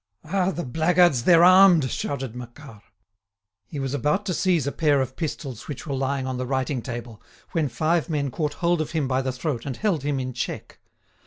"Ah! the blackguards, they're armed!" shouted Macquart. He was about to seize a pair of pistols which were lying on the writing table, when five men caught hold of him by the throat and held him in check.